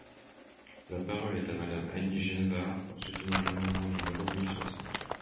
La parole est à Madame Annie Genevard, pour soutenir l’amendement numéro mille soixante.